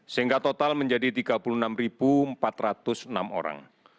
sehingga total menjadi tiga puluh enam empat ratus enam orang